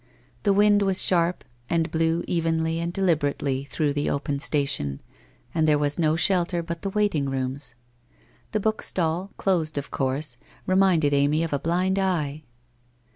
The wind was sharp, and blew evenly and deliberately through the open station, where there was no shelter but the waiting rooms. The book stall, closed, of course, reminded Amy of a blind eye.